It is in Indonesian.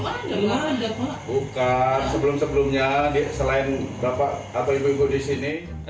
bukan sebelum sebelumnya selain bapak atau ibu ibu di sini